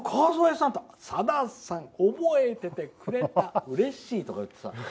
さださん、覚えててくれたうれしいとか言ってさ。